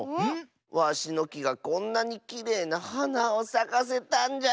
わしのきがこんなにきれいなはなをさかせたんじゃよ！